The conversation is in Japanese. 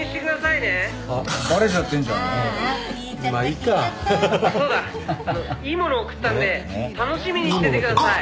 いいもの送ったんで楽しみにしててください」